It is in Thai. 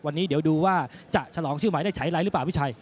วันนี้เดี๋ยวดูว่าจะฉลองชื่อใหม่ได้ใช้ไร้หรือเปล่าพี่ชัย